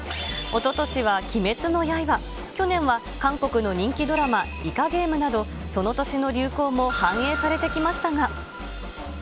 おととしは鬼滅の刃、去年は韓国の人気ドラマ、イカゲームなど、その年の流行も反映されてきましたが。